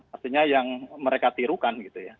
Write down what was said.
artinya yang mereka tirukan